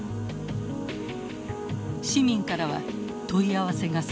市民からは問い合わせが殺到。